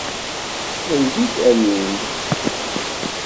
Ldi-d allen-d.